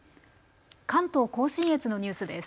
関東甲信越のニュースです。